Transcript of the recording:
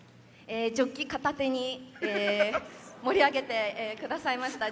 ジョッキ片手に盛り上げてくださいました